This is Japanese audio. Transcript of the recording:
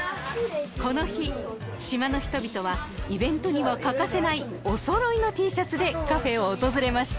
この日島の人々はイベントには欠かせないお揃いのＴシャツでカフェを訪れました